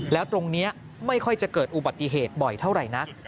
แล้วตรงนี้ไม่ค่อยจะเกิดอุบัติเหตุบ่อยเท่าไหร่นัก